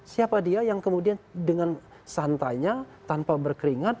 siapa dia yang kemudian dengan santainya tanpa berkeringat